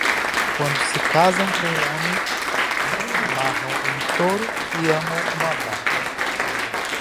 Quando se casam com o homem, amarram um touro e amam uma vaca.